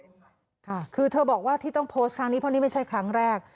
ไม่ต้องพอร์สเที่ยวนี้เพราะว่านี้ไม่ใช่ครั้งแรก